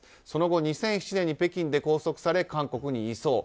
その後、２００７年に北京で拘束され韓国に移送。